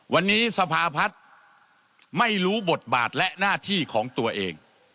วันนี้สภาพัฒน์ไม่รู้บทบาทและหน้าที่ของตัวเอง